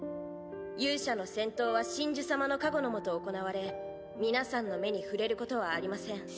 勇者の戦闘は神樹様の加護のもと行われ皆さんの目に触れることはありません。